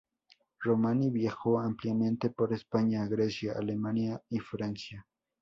Romani viajó ampliamente por España, Grecia, Alemania y Francia.